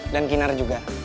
dan kinar juga